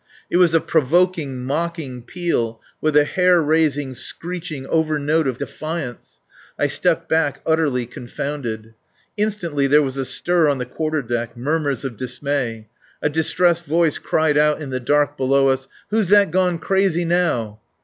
It was a provoking, mocking peal, with a hair raising, screeching over note of defiance. I stepped back, utterly confounded. Instantly there was a stir on the quarter deck; murmurs of dismay. A distressed voice cried out in the dark below us: "Who's that gone crazy, now?"